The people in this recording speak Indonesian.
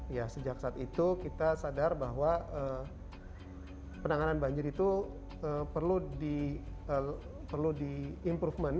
ya sejak saat itu kita sadar bahwa penanganan banjir itu perlu di improvement